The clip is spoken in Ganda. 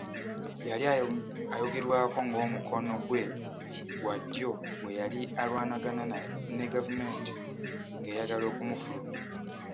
Yali ayogerwako ng’omukono gwe gwa ddyo we yali alwanagana ne gavumenti ng’eyagala okumufulumya.